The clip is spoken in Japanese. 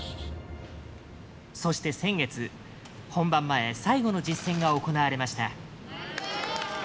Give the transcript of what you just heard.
そして先月、本番前最後の実戦が行われました。